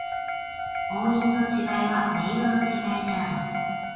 音韻の違いは、音色の違いである。